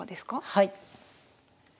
はい。